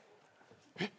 えっ！？